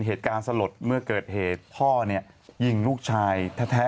เหตุการณ์สลดเมื่อเกิดเหตุพ่อเนี่ยยิงลูกชายแท้